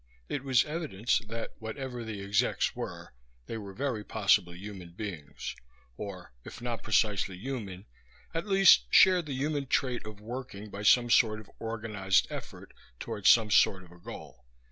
It was evidence that whatever the "execs" were, they were very possibly human beings or, if not precisely human, at least shared the human trait of working by some sort of organized effort toward some sort of a goal.